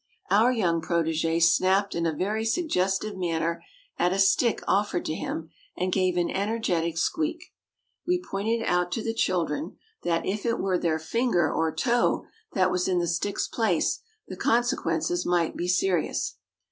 Our young protégé snapped in a very suggestive manner at a stick offered to him, and gave an energetic squeak. We pointed out to the children, that, if it were their finger or toe that was in the stick's place, the consequences might be serious.